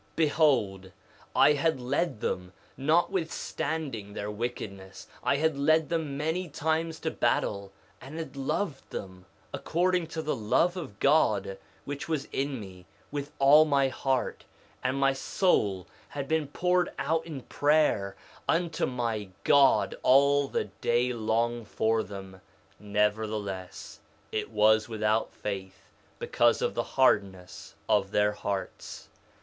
3:12 Behold, I had led them, notwithstanding their wickedness I had led them many times to battle, and had loved them, according to the love of God which was in me, with all my heart; and my soul had been poured out in prayer unto my God all the day long for them; nevertheless, it was without faith, because of the hardness of their hearts.